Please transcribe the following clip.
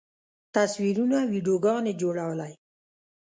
تصویرونه، ویډیوګانې جوړولی